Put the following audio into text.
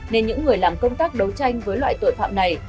nên những người làm công tác đấu tranh với loại tội phạm này